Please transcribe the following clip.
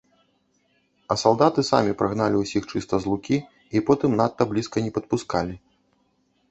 А салдаты самі прагналі ўсіх чыста з лукі і потым надта блізка не падпускалі.